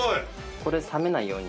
これで冷めないように。